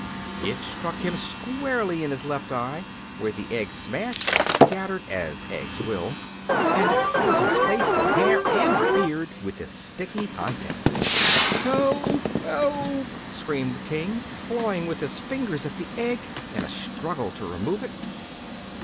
It struck him squarely in his left eye, where the egg smashed and scattered, as eggs will, and covered his face and hair and beard with its sticky contents. "Help, help!" screamed the King, clawing with his fingers at the egg, in a struggle to remove it.